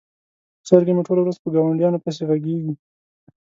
چرګه مې ټوله ورځ په ګاونډیانو پسې غږیږي.